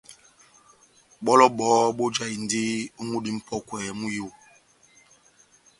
Bɔlɔ bɔhɔ́ bojahindi ó múdi múpɔkwɛ mú iyó.